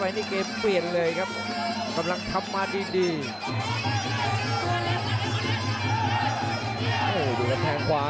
กระโดยสิ้งเล็กนี่ออกกันขาสันเหมือนกันครับ